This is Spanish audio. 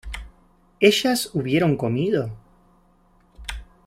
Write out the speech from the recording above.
¿ellas hubieron comido?